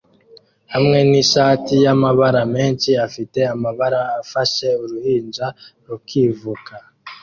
hamwe nishati y'amabara menshi afite amabara afashe uruhinja rukivuka